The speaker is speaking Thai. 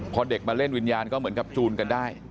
พอเด็กมาเล่นวิญญาณก็เหมือนกับจูนกันได้